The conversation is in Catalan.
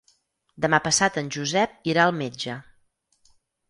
Demà passat en Josep irà al metge.